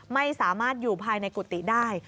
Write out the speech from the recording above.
ไม่สามารถอยู่ภายในกุฏิได้